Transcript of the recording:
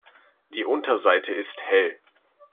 Die Unterseite ist hell.